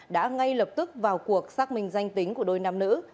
đã ngay lập tức vào cuộc xác minh danh tính của đôi nam nữ